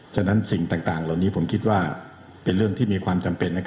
ฉะนั้นสิ่งต่างเหล่านี้ผมคิดว่าเป็นเรื่องที่มีความจำเป็น